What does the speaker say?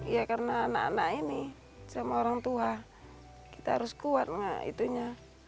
ya karena anak anak ini sama orang tua kita harus kuat itunya